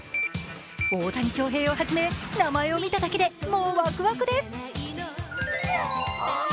大谷翔平をはじめ名前を見ただけて、もうワクワクです。